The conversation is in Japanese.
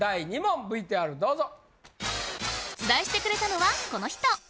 ＶＴＲどうぞ。出題してくれたのはこの人！